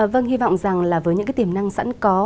vâng hy vọng rằng là với những cái tiềm năng sẵn có